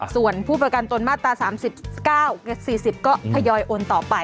ส่วนผู้ประกันตนมาตรา๓๙๔๐ก็ทยอยโอนต่อไป